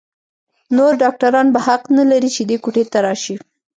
نور ډاکتران به حق نه لري چې دې کوټې ته راشي.